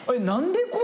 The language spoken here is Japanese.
何で？